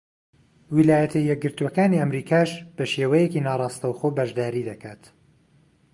ویلایەتە یەکگرتووەکانی ئەمریکاش بە شێوەیەکی ناڕاستەوخۆ بەشداری دەکات.